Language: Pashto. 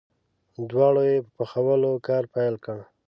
دواړو یې په پخولو کار پیل کړ.